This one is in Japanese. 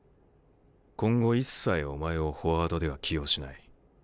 今後一切お前をフォワードでは起用しない。